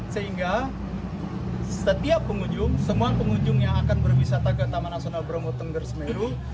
sehingga setiap pengunjung semua pengunjung yang akan berwisata ke taman nasional bromo tengger semeru